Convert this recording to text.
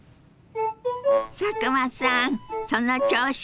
佐久間さんその調子！